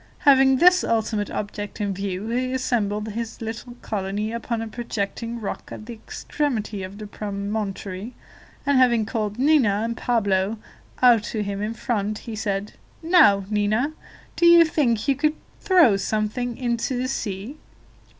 Having this ultimate object in view, he assembled his little colony upon a projecting rock at the extremity of the promontory, and having called Nina and Pablo out to him in front, he said: "Now, Nina, do you think you could throw something into the sea?"